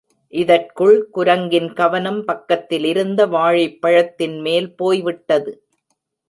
இதற்குள் குரங்கின் கவனம் பக்கத்திலிருந்த வாழைப்பழத்தின் மேல் போய்விட்டது.